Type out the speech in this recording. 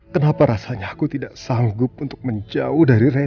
kenapa rasanya aku tidak sanggup untuk menjauh dari raja